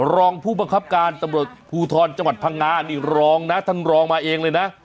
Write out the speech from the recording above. รองผู้บังคับการตำรวจภูทรจังหวัดพังงานี่รองนะท่านรองมาเองเลยนะ